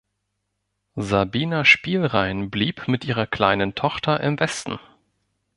Sabina Spielrein blieb mit ihrer kleinen Tochter im Westen.